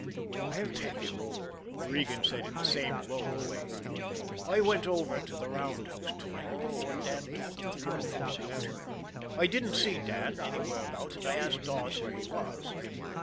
"I'll tell you," Regan said, in the same low way. "I went over to the roundhouse to night before Dan took the 304 out. I didn't see Dan anywhere about, and I asked Dawes where he was.